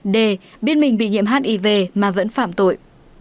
d biết mình bị nhiễm hiv mà vẫn phạm tội